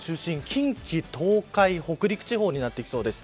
近畿、東海、北陸地方になってきそうです。